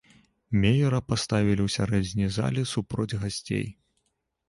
Меера паставілі ў сярэдзіне залі супроць гасцей.